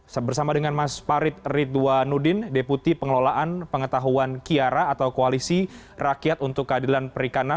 saya bersama dengan mas parit ridwanudin deputi pengelolaan pengetahuan kiara atau koalisi rakyat untuk keadilan perikanan